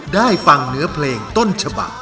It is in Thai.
ได้ฟังเนื้อเพลงต้นฉบัก